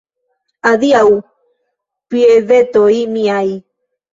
Adiaŭ, piedetoj miaj!